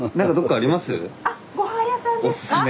あっごはん屋さんですか？